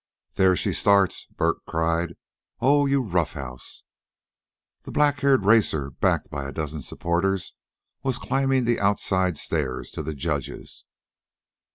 "There she starts!" Bert cried. "Oh, you rough house!" The black haired racer, backed by a dozen supporters, was climbing the outside stairs to the judges.